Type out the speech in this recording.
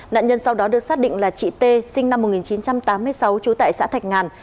nạn nhân sau đó được xác định là chị t sinh năm một nghìn chín trăm tám mươi sáu trú tại xã thạch ngàn